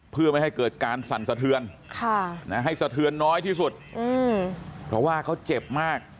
เพื่อไม่ให้เกิดการสั่นสะเทือนให้สะเทือนน้อยที่สุดเพราะว่าเขาเจ็บมาก